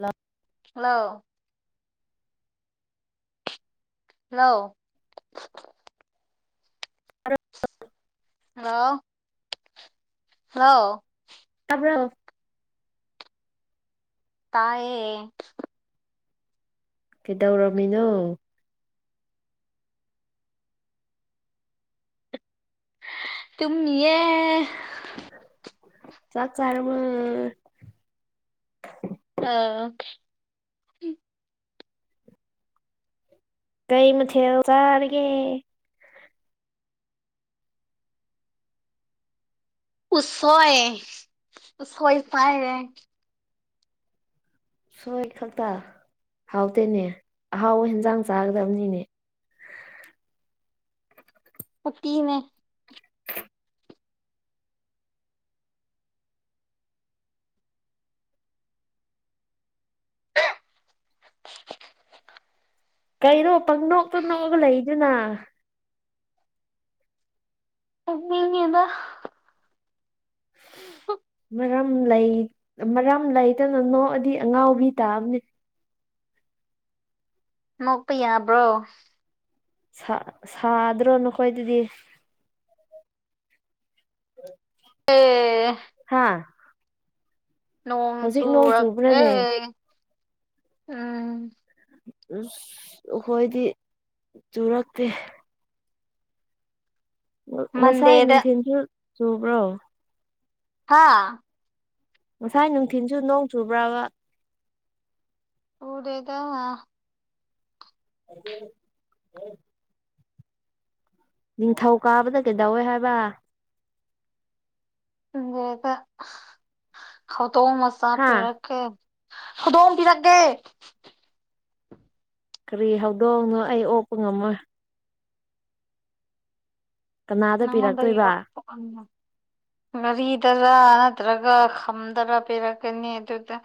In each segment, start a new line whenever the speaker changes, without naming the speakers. ꯍ
ꯑꯂ ꯍꯂꯣ
ꯃꯔꯔ
ꯑꯥꯎ ꯍꯥꯎ
ꯇꯕ꯭ꯔꯣ
ꯇꯌꯦ
ꯀꯩꯗꯧꯔꯝꯃꯤꯅꯣ
ꯇꯨꯝꯃꯤ ꯌꯦ
ꯆꯥꯛꯆꯥꯔꯕꯣꯔ
ꯑ
ꯀꯩ ꯃꯊꯦꯜ ꯆꯥꯂꯒꯦ
ꯎꯁꯣꯏ ꯎꯁꯣꯏ ꯄꯥꯏꯔꯦ
ꯁꯣꯏ ꯈꯛꯇ ꯍꯥꯎꯇꯦꯅꯦ ꯑꯍꯥꯎꯕ ꯍꯟꯖꯥꯡ ꯆꯥꯒꯗꯕꯅꯤꯅꯦ [inaudible]
ꯑꯣꯠꯇꯤꯅꯦ
ꯀꯩꯅꯣ ꯄꯪꯅꯣꯛ ꯇꯧ ꯅꯣꯛꯑꯒ ꯂꯩꯗꯨꯅ
ꯅꯦꯛꯅꯥꯡꯉꯦꯗ
ꯃ ꯃꯔꯝ ꯂꯩ ꯃꯔꯝ ꯂꯩꯇꯅ ꯅꯣꯛꯑꯗꯤ ꯑꯉꯥꯎꯕꯤ ꯇꯥꯕꯅꯦ
ꯅꯣꯛꯄ ꯌꯥꯕ꯭ꯔꯣ
ꯁꯥ ꯁꯗ꯭ꯔꯣ ꯅꯈꯣꯏꯗꯗꯤ
ꯑꯦ
ꯍꯥꯥ
ꯅꯣꯡ ꯆꯨꯔ
ꯆꯨꯕ꯭ꯔꯅꯦ
ꯑꯦ ꯎꯝ
ꯎ ꯑꯩꯈꯣꯏꯗꯤ ꯆꯨꯔꯛꯇꯦ ꯉꯁꯥꯏ
ꯃꯟꯗꯦꯗ
ꯅꯨꯡꯊꯤꯟꯁꯨ ꯆꯨꯕ꯭ꯔꯣ
ꯍꯥꯥ
ꯉꯁꯥꯏ ꯅꯨꯡꯊꯤꯜꯁꯨ ꯅꯣꯡ ꯆꯨꯕ꯭ꯔꯕ
ꯆꯨꯗꯦꯗꯥ
ꯑꯗꯨ ꯍ ꯅꯤꯡꯊꯧ ꯀꯥꯕꯗ ꯀꯩꯗꯧꯋꯦ ꯍꯥꯏꯕ
ꯑꯗꯨꯗ ꯍꯧꯗꯣꯡ ꯃꯆꯥ
ꯍꯥ
ꯄꯤꯔꯛꯀꯦ ꯍꯨꯗꯣꯡ ꯄꯥꯂꯥꯛꯀꯦ
ꯀꯔꯤ ꯍꯧꯗꯣꯛꯅꯣ ꯑꯩ ꯑꯣꯛꯄ ꯉꯝꯃꯣꯏ ꯀꯅꯥꯗ
ꯅꯪꯉꯤꯡꯗꯒꯤ
ꯄꯤꯔꯛꯇꯣꯏꯕ
ꯒꯥꯔꯤꯗꯔ ꯅꯠꯇ꯭ꯔꯒ ꯈꯝꯗꯔ ꯄꯤꯔꯛꯀꯅꯤ ꯑꯗꯨꯗ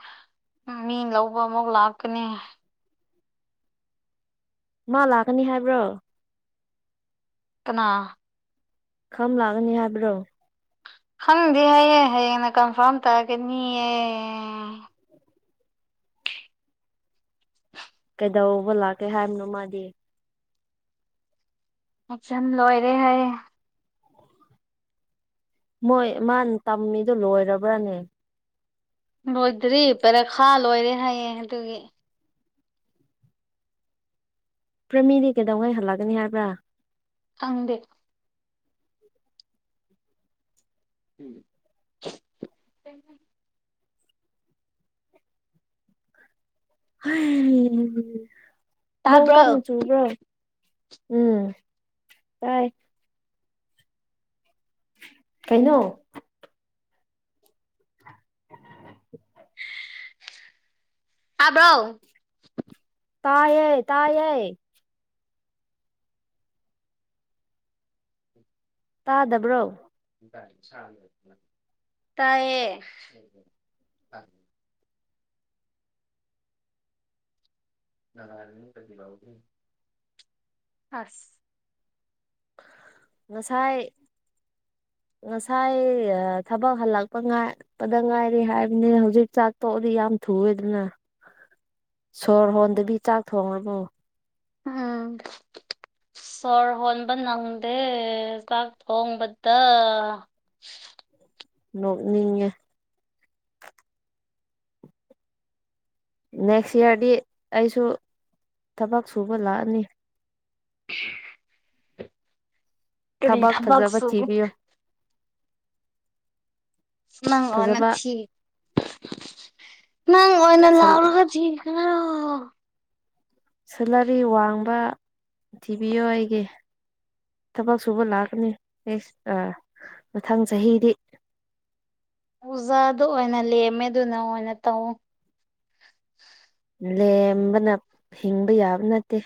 ꯎ ꯃꯤ ꯂꯧꯕ ꯑꯃꯨꯛ ꯂꯥꯛꯀꯅꯤ
ꯃꯥ ꯂꯥꯛꯀꯅꯤ ꯍꯥꯏꯕ꯭ꯔꯣ
ꯏ ꯀꯅꯥ
ꯈꯝ ꯂꯥꯛꯒꯅꯤ ꯍꯥꯏꯕ꯭ꯔꯣ
ꯈꯪꯗꯦ ꯍꯌꯦ ꯍꯌꯦꯡꯅ ꯀꯟꯐꯥꯔꯝ ꯇꯥꯑꯒꯦꯅꯤꯌꯦ
[inaudible] ꯀꯩꯗꯧꯕ ꯂꯥꯛꯀꯦ ꯍꯥꯏꯕꯅꯣ ꯃꯥꯗꯤ
ꯑꯦꯛꯖꯝ ꯂꯣꯏꯔꯦ ꯍꯥꯏ
ꯃꯣꯏ ꯃꯥꯅ ꯇꯝꯃꯤꯗꯨ ꯂꯣꯏꯔꯕ꯭ꯔꯥꯅꯦ
ꯂꯣꯏꯗ꯭ꯔꯤ ꯄꯔꯛ ꯈꯥ ꯂꯣꯏꯔꯦ ꯍꯥꯏꯌꯦ ꯑꯗꯨꯒꯤ
ꯄ꯭ꯔꯃꯤꯗꯤ ꯀꯩꯗꯧꯉꯩ ꯍꯜꯂꯒꯅꯤ ꯍꯥꯏꯕ꯭ꯔꯥ
ꯈꯪꯗꯦ ꯎꯝ ꯇꯥꯕ꯭ꯔꯣ
ꯅꯣꯡꯀꯥꯟ ꯆꯨꯔꯕ꯭ꯔꯣ ꯎꯝ ꯇꯥꯏ ꯀꯩꯅꯣ [inaudible]
ꯑꯥꯕ꯭ꯔꯣ
ꯇꯥꯏꯌꯦ ꯇꯥꯌꯦ ꯇꯥꯗꯕ꯭ꯔꯣ
ꯇꯥꯏꯌꯦ ꯔ ꯀꯗꯤ ꯂꯎꯒ ꯍꯁ
ꯉꯁꯥꯏ ꯉꯁꯥꯏ ꯊꯕꯛ ꯍꯜꯂꯛꯄ ꯉꯥꯏꯄꯗ ꯉꯥꯏꯔꯤ ꯍꯥꯏꯕꯅꯤ ꯍꯧꯖꯤꯛ ꯆꯥꯛ ꯇꯣꯛꯑꯗꯤ ꯌꯥꯝ ꯊꯨꯑꯦꯗꯅ ꯁꯣꯔ ꯍꯣꯟꯗꯕꯤ ꯆꯥꯛ ꯊꯣꯡꯉꯕꯨ
ꯑꯝ ꯁꯣꯔ ꯍꯣꯟꯕ ꯅꯪꯗꯦ ꯆꯥꯛ ꯊꯣꯡꯕꯗ
ꯅ ꯅꯦꯛꯁ ꯏꯌꯥꯔꯗꯤ ꯑꯩꯁꯨ ꯊꯕꯛ ꯁꯨꯕ ꯂꯥꯛꯑꯅꯤ
ꯀꯔꯤ
ꯊꯕꯛ ꯐꯖꯕ
ꯊꯕꯛꯁꯨ
ꯊꯤꯕꯤꯌꯨ
ꯅꯪ ꯑꯣꯏꯅ
ꯐꯖꯕ
ꯊꯤ ꯅꯪ ꯑꯣꯏꯅ ꯂꯥꯎꯔꯒ ꯊ
ꯁꯨꯜꯂꯔꯤ ꯋꯥꯡꯕ ꯊꯤꯕꯤꯌꯣ ꯑꯩꯒꯤ ꯊꯕꯛ ꯁꯨꯕ ꯂꯥꯛꯀꯅꯤ ꯑꯦꯁ ꯃꯊꯪ ꯆꯍꯤꯗꯤ [inaudible]
ꯑꯣꯖꯥꯗ ꯑꯣꯏꯅ ꯂꯦꯝꯃꯦ ꯑꯗꯨꯅ ꯑꯣꯏꯅ ꯇꯧ
ꯂꯦꯝꯕꯅ ꯍꯤꯡꯕ ꯌꯥꯕ ꯅꯠꯇꯦ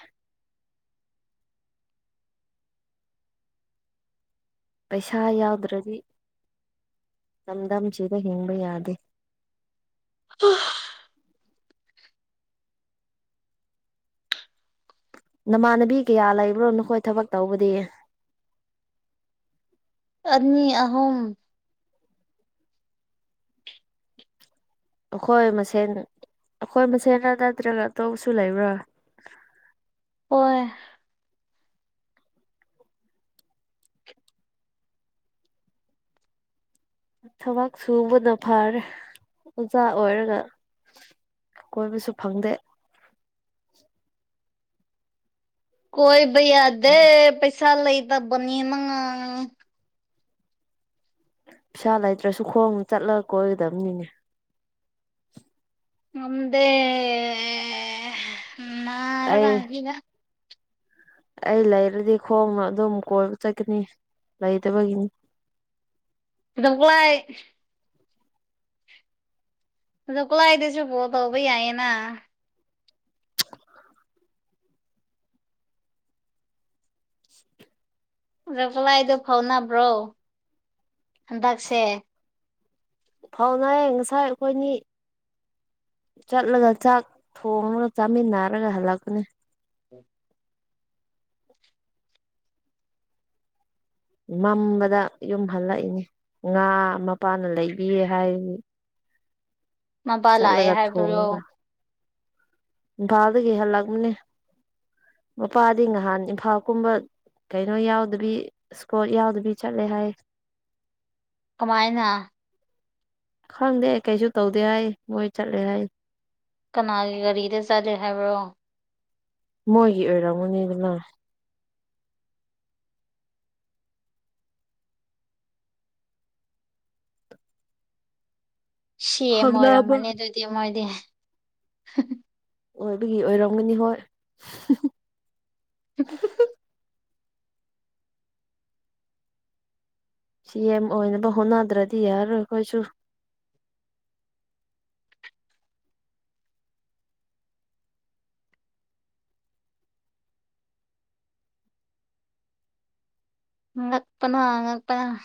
ꯄꯩꯁꯥ ꯌꯥꯎꯗ꯭ꯔꯗꯤ ꯇꯝ ꯇꯝ ꯆꯗ ꯍꯤꯡꯕ ꯌꯥꯗꯦ
ꯑ
ꯅꯃꯥꯟꯅꯕꯤ ꯀꯌꯥ ꯂꯩꯕ꯭ꯔꯣ ꯅꯈꯣꯏ ꯊꯕꯛ ꯇꯧꯕꯗꯤ
ꯑꯅꯤ ꯑꯍꯨꯝ
ꯍꯈꯣꯏ ꯃꯁꯦꯟ ꯑꯩꯈꯣꯏ ꯃꯁꯦꯟꯅ ꯅꯠꯇ꯭ꯔꯒ ꯑꯇꯣꯞꯄꯁꯨ ꯂꯩꯕ꯭ꯔꯥ
ꯑꯣꯏ
ꯊꯕꯛ ꯁꯨꯕꯅ ꯐꯥꯔꯦ ꯑꯣꯖꯥ ꯑꯣꯏꯔꯒ ꯀꯣꯏꯕꯁꯨ ꯐꯪꯗꯦ
ꯀꯣꯏ ꯩ ꯌꯥꯗꯦ ꯄꯩꯁꯥ ꯂꯩ ꯇꯕꯅꯤ ꯃꯉꯥꯡ
ꯄꯩꯁꯥ ꯂꯩꯇ꯭ꯔꯁꯨ ꯈꯣꯡ ꯆꯠꯂꯒ ꯀꯣꯏꯒꯗꯕꯅꯤꯅꯦ
ꯑꯗ
ꯑꯩ
ꯅꯔꯒꯥꯟꯙꯗ
ꯑꯩ ꯂꯩꯔꯗꯤ ꯈꯣꯡꯅ ꯑꯗꯨꯝ ꯀꯣꯏꯕ ꯆꯠꯀꯅꯤ ꯂꯩꯇꯕꯒꯤꯅꯤ [inaudible]
ꯀꯗꯣꯛ ꯂꯩꯥꯏ ꯑ ꯈꯨꯂꯥꯏꯗꯁꯨꯕꯣ ꯇꯧꯕ ꯌꯥꯏꯌꯦꯅ
[inaudible]
ꯗ ꯈꯨꯂꯥꯏꯗꯨ ꯐꯥꯎꯅꯕ꯭ꯔꯣ ꯍꯟꯗꯛꯁꯦ
ꯐꯥꯎꯅꯌꯦ ꯉꯁꯥꯏ ꯑꯩꯈꯣꯏꯅꯤ ꯆꯠꯂꯒ ꯆꯥꯛ ꯊꯣꯡꯉꯒ ꯆꯥꯃꯤꯟꯅꯔꯒ ꯍꯜꯂꯛꯄꯅꯦ ꯃꯝꯕꯗ ꯌꯨꯝ ꯍꯜꯂꯛꯏꯅꯤ ꯉꯥ ꯃꯄꯥꯅ ꯂꯩꯕꯤ ꯍꯥꯏꯗꯤ
ꯃꯄꯥ ꯂꯌꯦ
ꯊꯣꯡꯉꯒ
ꯍꯥꯏꯕ꯭ꯔꯣ
ꯏꯝꯐꯥꯜꯗꯒꯤ ꯍꯜꯂꯛꯅꯦ ꯃꯄꯥꯗꯤ ꯅꯍꯥꯟ ꯏꯝꯐꯥꯜ ꯀꯨꯝꯕ ꯀꯩꯅꯣ ꯌꯥꯎꯗꯕꯤ ꯁꯀꯣꯜ ꯌꯥꯎꯗꯕꯤ ꯆꯠꯂꯦ ꯍꯥꯏ
ꯀꯃꯥꯏꯅ
ꯈꯪꯗꯦ ꯀꯩꯁꯨ ꯇꯧꯗꯦ ꯍꯥꯏ ꯃꯣꯏ ꯆꯠꯂꯦ ꯍꯥꯏ
ꯀꯅꯥꯒꯤ ꯒꯥꯔꯤꯗ ꯆꯠꯂꯦ ꯍꯥꯏꯕ꯭ꯔꯣ
ꯃꯣꯏꯒꯤ ꯑꯣꯏꯔꯝꯃꯨꯅꯤꯗꯅ
ꯁꯤ
ꯍꯪꯅꯕ
ꯑꯣꯏꯔꯝꯃꯅꯤ ꯑꯗꯨꯗꯤ ꯃꯣꯏꯗꯤ
ꯑꯣꯏꯕꯒꯤ ꯑꯣꯏꯔꯝꯒꯅꯤ ꯍꯣꯏ
[inaudible]
ꯁꯤ ꯑꯦꯝ ꯑꯣꯏꯅꯕ ꯍꯣꯠꯅꯗ꯭ꯔꯗꯤ ꯌꯥꯔꯣꯏ ꯑꯩꯈꯣꯏꯁꯨ
ꯉ ꯉꯛꯄꯅꯥ ꯉꯛꯄꯅꯥ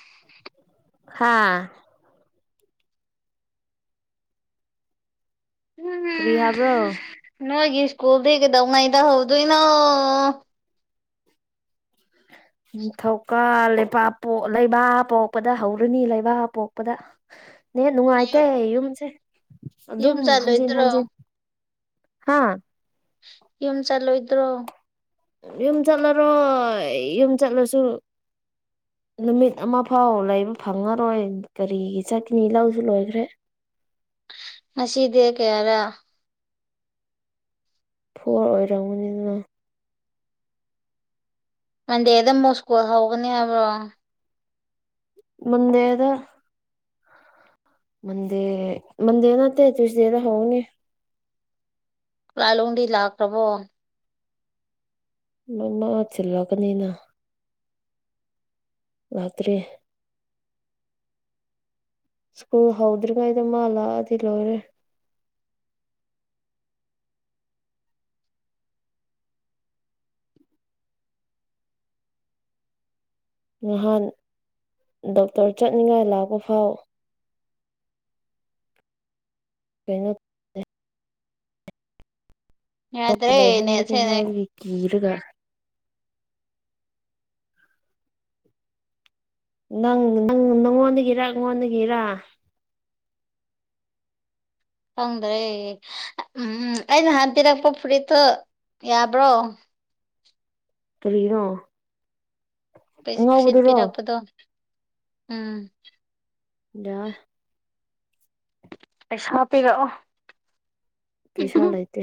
ꯍꯥꯥ ꯀꯔꯤꯍꯕ꯭ꯔꯣ
ꯅꯣꯏꯒꯤ ꯏꯁꯀꯨꯜꯗꯒ ꯗꯧꯅꯥꯏꯗ ꯍꯧꯗ ꯏꯅ
ꯎ ꯊꯧꯀꯥꯜ ꯕꯥꯛ ꯄꯣꯛ ꯂꯩꯕꯥꯛ ꯄꯣꯛꯄꯗ ꯍꯧꯔꯅꯤ ꯂꯩꯕꯥꯛ ꯄꯣꯛꯄꯗ ꯅ ꯅꯨꯡꯉꯥꯏꯇꯦ ꯌꯨꯝꯁꯦ
ꯌꯨꯝ
ꯑꯗꯨꯝ ꯍꯟꯖꯤꯟ
ꯆꯠꯂꯣꯏꯗ꯭ꯔꯣ
ꯍꯟꯖꯤꯟ ꯍꯥꯥ
ꯌꯨꯝ ꯆꯠꯂꯣꯏꯗ꯭ꯔꯣ
ꯌꯨꯝ ꯆꯠꯂꯔꯣ ꯌꯨꯝ ꯆꯠꯂꯣꯁꯨ ꯅꯨꯃꯤꯠ ꯑꯃ ꯐꯥꯎ ꯂꯩꯕ ꯐꯪꯉꯔꯣꯏ ꯀꯔꯤꯒꯤ ꯆꯠꯀꯅꯤ ꯂꯧꯁꯨ ꯂꯣꯏꯈ꯭ꯔꯦ
ꯃꯁꯤꯗꯦ ꯀꯦ ꯌꯥꯔ
ꯐꯣꯔ ꯑꯣꯏꯔꯝꯕꯅꯤ ꯑꯗꯨꯅ
ꯃꯟꯗꯦꯗ ꯑꯃꯨꯛ ꯁ꯭ꯀꯨꯜ ꯍꯧꯒꯅꯤ ꯍꯥꯏꯕ꯭ꯔꯣ
ꯃꯗꯦꯗ ꯃꯗꯦ ꯃꯗꯦ ꯅꯠꯇ ꯆꯁꯗꯦꯅ ꯍꯅꯦ
ꯂꯥꯂꯣꯡꯗꯤ ꯂꯥꯛꯈ꯭ꯔꯕꯣ
ꯃꯃꯥ ꯆꯤꯜꯂꯛꯒꯅꯤꯅ ꯉꯥꯛꯇ꯭ꯔꯤ ꯁ꯭ꯀꯨꯜ ꯍꯧꯗ꯭ꯔꯤꯉꯥꯏꯗ ꯃꯥꯂꯥꯛꯑꯗꯤ ꯂꯣꯏꯔꯦ ꯅꯍꯥꯟ ꯗꯣꯛꯇꯔ ꯆꯠꯅꯤꯡꯉꯥꯏ ꯂꯥꯛꯄ ꯐꯥꯎ ꯀꯩꯅꯣ
ꯌꯥꯗ꯭ꯔꯦ
ꯂꯥꯏꯍꯟꯒꯅꯤ
ꯅꯦꯠꯁꯦꯅꯦ
ꯍꯥꯏꯒꯤ ꯀꯤꯔꯒ ꯅꯪ ꯅꯪ ꯅꯪꯉꯣꯟꯗꯒꯤꯔ ꯑꯩꯉꯣꯟꯗꯒꯤꯔꯥ
ꯐꯗ꯭ꯔꯦ ꯎꯝ ꯎꯝ ꯑꯩꯅ ꯍꯟ ꯄꯤꯔꯛꯄ ꯐꯨꯔꯤꯠꯇꯣ ꯌꯥꯕ꯭ꯔꯣ
ꯇꯔꯤꯔꯣ
ꯁꯤꯠꯄꯤꯔꯛꯄꯗꯣ ꯎꯝ
ꯗ
ꯁꯣ ꯄꯤꯔꯛꯏ
ꯩꯁꯜ ꯑꯥꯏꯇ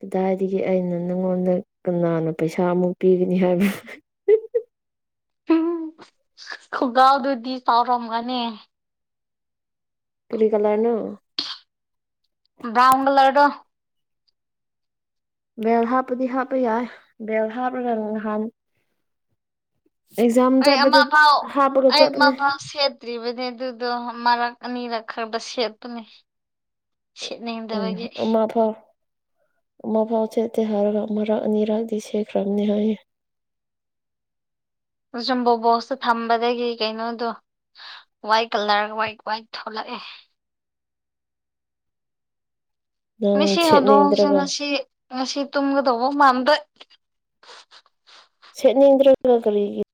ꯑꯗꯨꯗꯥꯏꯗꯒꯤ ꯑꯩꯅ ꯅꯪꯉꯣꯟꯗ ꯀꯅꯥꯅꯣ ꯄꯩꯁꯥ ꯑꯃꯨꯛ ꯄꯤꯒꯅꯤ ꯍꯥꯏꯕ ꯍ [unintelligible] [inaudible]
ꯈꯨꯒꯥꯎꯗꯨꯗꯤ ꯆꯥꯎꯔꯝꯒꯅꯤ
ꯀꯔꯤ ꯀꯂꯔꯅ
ꯕ꯭ꯔꯥꯎꯟꯒ ꯂꯔꯔꯣ
ꯕꯦꯜ ꯍꯥꯞꯄꯨꯗꯤ ꯍꯥꯞꯄ ꯌꯥꯏ ꯕꯦꯜ ꯍꯥꯞꯂꯒ ꯅꯍꯥꯟ ꯑꯦꯛꯖꯥꯝ
ꯑꯩ ꯑꯃ
ꯆꯠꯄꯗ
ꯐꯥꯎ
ꯍꯥꯞꯄꯒ
ꯑꯩ ꯑꯃ
ꯆꯠꯄꯅꯦ
ꯐꯥꯎ ꯁꯦꯠꯇ꯭ꯔꯤꯕꯅꯦ ꯑꯗꯨꯗꯣ ꯃꯔꯛ ꯑꯅꯤꯔꯛ ꯈꯔꯗ ꯁꯦꯠꯄꯅꯦ
ꯎꯝ
ꯁꯦꯠꯅꯤꯡꯗꯕꯒꯤ
ꯑꯃ ꯐꯥꯎ ꯃꯐꯥꯎ ꯆꯇ ꯍꯔꯃꯔꯅꯤꯔꯒꯗꯤꯁꯦ ꯀ꯭ꯔꯝꯅꯤ ꯍꯥꯏꯌꯦ [unintelligible] [inaudible]
ꯑ ꯁꯨꯝꯕꯣ ꯕꯣꯛꯁꯇ ꯊꯝꯕꯗꯒꯤ ꯀꯩꯅꯣꯗꯣ ꯋꯥꯏꯠ ꯀꯂꯔ ꯋꯥꯏꯠ ꯋꯥꯏꯠ ꯊꯣꯛꯂꯛꯑꯦ
ꯅꯪ
ꯃꯤꯁꯤ ꯍꯧꯗꯣꯡꯁ
ꯁꯦꯠꯅꯤꯡꯗ꯭ꯔꯒ
ꯃꯁꯤꯁꯤ ꯁꯤ ꯇꯒꯗꯧꯕ ꯃꯗ
ꯁꯦꯠꯅꯤꯡꯗ꯭ꯔꯒ ꯀꯔꯤꯒꯤꯕ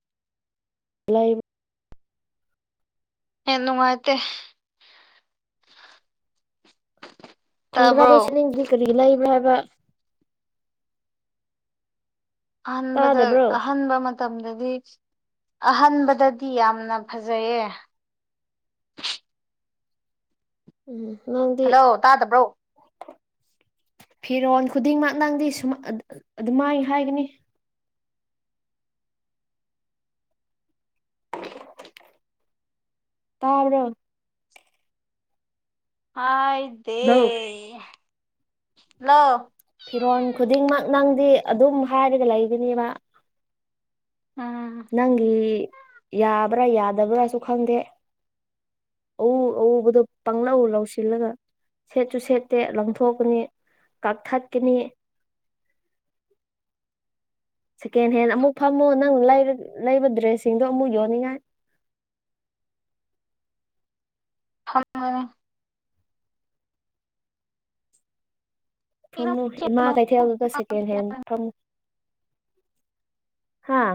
ꯍ ꯅꯨꯡꯉꯥꯏꯇꯦ
ꯈꯣꯡꯒ꯭ꯔꯥꯗꯣ
ꯇꯥꯕ꯭ꯔꯣ
ꯁꯩꯔꯦꯡꯗꯨꯗꯤ ꯀꯔꯤ ꯂꯩꯕ꯭ꯔ ꯍꯥꯏꯕ
ꯑꯍꯥꯟꯕꯗ
ꯇꯥꯗꯕ꯭ꯔꯣ
ꯑꯍꯥꯟꯕ ꯃꯇꯝꯗꯗꯤ ꯑꯍꯟꯥꯟꯕꯗꯗꯤ ꯌꯥꯝꯅ ꯐꯖꯩꯌꯦ
ꯎꯝ ꯅꯪꯗꯤ
ꯍꯜꯂꯣ ꯇꯥꯗꯕ꯭ꯔꯣ
ꯐꯤꯔꯣꯜ ꯈꯨꯗꯤꯡꯃꯛ ꯅꯪꯗꯤ ꯁ ꯑꯗꯨꯃꯥꯏꯅ ꯍꯥꯏꯒꯅꯤ [unintelligible] [inaudible] ꯇꯥꯕꯔ ꯗꯧ
ꯍꯥꯏꯗꯦ ꯍꯂꯣ
ꯐꯤꯔꯣꯟꯜ ꯈꯨꯗꯤꯡꯃꯛ ꯅꯪꯗꯤ ꯑꯗꯨꯝ ꯍꯥꯏꯔꯒ ꯂꯩꯒꯅꯦꯕ
ꯎꯝ
ꯅꯪꯒꯤ ꯌꯥꯕ꯭ꯔꯥ ꯌꯥꯗꯕ꯭ꯔꯥꯁꯨ ꯈꯪꯗꯦ ꯑ ꯑꯗꯨ ꯄꯪꯪꯂ ꯂꯧꯥꯎꯁꯤꯜꯂꯒ ꯁꯦꯠꯁꯨ ꯁꯦꯠꯇꯦ ꯂꯪꯊꯣꯛꯀꯅꯤ ꯀꯛꯊꯠꯀꯅꯤ [unintelligible] [inaudible] ꯁꯦꯀꯦꯟ ꯍꯦꯟ ꯑꯃꯨꯛ ꯐꯝꯃꯣ ꯅꯪ ꯂꯩꯕ ꯗ꯭ꯔꯦꯁꯁꯤꯡꯗꯣ ꯑꯃꯨꯛ ꯌꯣꯟꯅꯤꯡꯉꯥꯏ [unintelligible] [inaudible]
ꯍ [unintelligible] [inaudible]
ꯊꯝꯃꯨ ꯏꯃꯥ ꯀꯩꯊꯦꯜꯗꯨꯗ ꯁꯦꯀꯦꯟ ꯍꯦꯟ ꯐꯝꯃꯨ ꯍꯥꯥ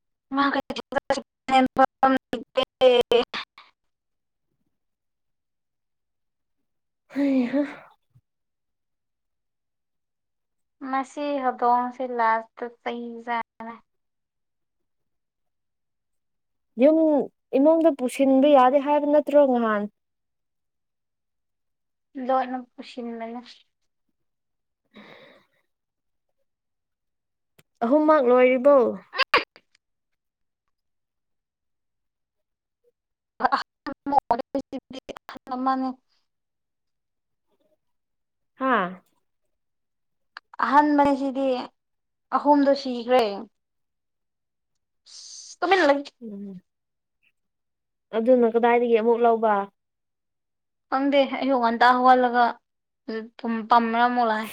[unintelligible]
[inaudible] ꯍꯥꯏ
ꯃꯁꯤ ꯍꯧꯗꯣꯡꯁꯤꯦ ꯂꯥꯁꯇ ꯆꯍꯤꯖꯅ
ꯌꯨꯝ ꯏꯃꯨꯡꯗ ꯄꯨꯁꯤꯟꯕ ꯌꯥꯗꯦ ꯍꯥꯏꯕ ꯅꯠꯇ꯭ꯔꯣ ꯉꯍꯥꯟ [inaudible]
ꯗꯣꯅ ꯀꯁꯤꯅꯕꯅꯦ
ꯑꯍꯨꯝꯃꯛ ꯂꯣꯏꯔꯤꯕꯣ
ꯅꯦ
ꯍꯥꯥ
ꯑꯍꯟꯥꯟꯕꯅꯤꯁꯤꯗꯤ ꯑꯍꯨꯝꯗꯣ ꯁꯤꯈ꯭ꯔꯦ ꯀꯃꯤꯅꯅ
ꯎꯝ ꯑꯗꯨꯅ ꯀꯗꯥꯏꯗꯒꯤ ꯑꯃꯨꯛ ꯂꯧꯕ
ꯈꯪꯗꯦ ꯑꯌꯨꯛ ꯉꯟꯇꯥ ꯍꯧꯒꯠꯂꯒ ꯄꯃ꯭ꯔꯥ ꯑꯃꯨꯛ ꯂꯥꯛꯑꯦ